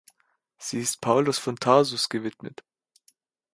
Sie ist Paulus von Tarsus gewidmet.